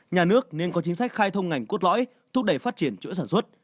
nhà nước nên có chính sách khai thông ngành cốt lõi thúc đẩy phát triển chuỗi sản xuất